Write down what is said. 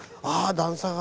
段差がね。